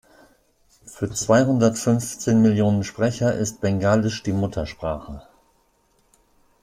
Für zweihundertfünfzehn Millionen Sprecher ist Bengalisch die Muttersprache.